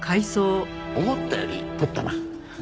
思ったより取ったな。